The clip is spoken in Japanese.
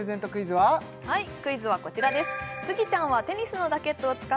はいクイズはこちらです